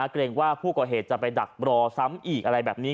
เกรงว่าผู้ก่อเหตุจะไปดักรอซ้ำอีกอะไรแบบนี้